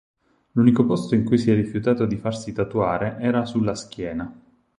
L'unico posto in cui si è rifiutato di farsi tatuare era sulla schiena.